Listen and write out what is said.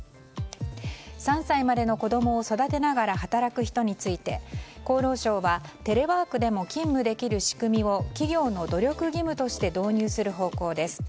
３歳までの子供を育てながら働く人について厚労省はテレワークでも勤務できる仕組みを企業の努力義務として導入する方向です。